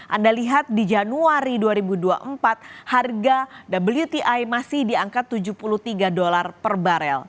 anda lihat di januari dua ribu dua puluh empat harga wti masih di angka tujuh puluh tiga dolar per barel